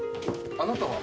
あなたは？